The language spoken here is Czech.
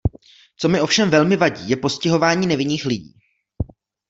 Co mi ovšem velmi vadí, je postihování nevinných lidí.